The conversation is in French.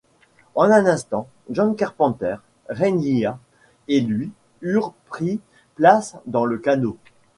En un instant, John Carpenter, Ranyah et lui eurent pris place dans le canot.